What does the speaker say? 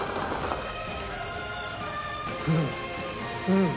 うん！